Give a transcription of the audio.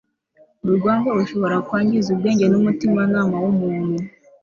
urwango rushobora kwangiza ubwenge n'umutimanama w'umuntu